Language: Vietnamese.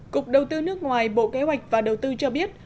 cục đầu tư nước ngoài bộ kế hoạch và đầu tư cho biết